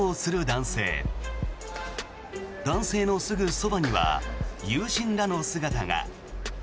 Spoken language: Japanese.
男性のすぐそばには友人らの姿が。